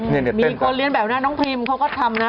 มีคนเรียนแบบนี้น้องพิมเขาก็ทำนะ